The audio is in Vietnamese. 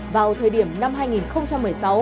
vào thời điểm năm hai nghìn một mươi sáu